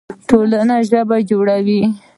ټولنه ژبه جوړوي.